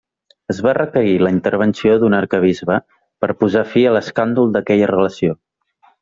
Es va requerir la intervenció d'un arquebisbe per posar fi a l'escàndol d’aquella relació.